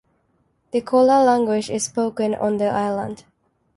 The Kola language is spoken on the island.